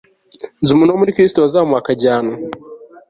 nzi umuntu wo muri kristo wazamuwe akajyanwa